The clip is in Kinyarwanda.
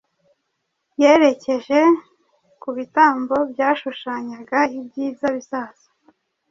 Yerekeje ku bitambo byashushanyaga ibyiza bizaza